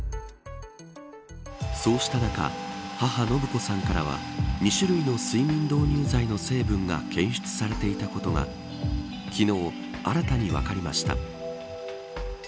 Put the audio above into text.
そうした中、母、延子さんからは２種類の睡眠導入剤の成分が検出されていたことが昨日、新たに分かりました。